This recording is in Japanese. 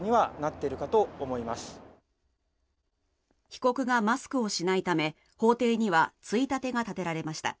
被告がマスクをしないため法廷にはついたてが立てられました。